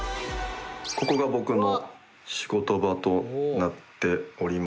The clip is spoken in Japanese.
ここが僕の仕事場となっております。